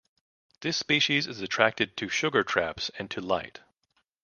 This species is attracted to sugar traps and to light.